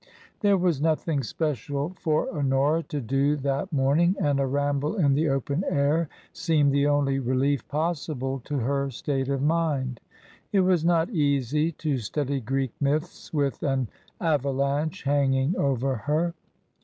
There was nothing special for Honora to do that morning, and a ramble in the open air seemed the only relief possible to her state of mind. It was not easy to study Greek myths with an avalanche hanging over her.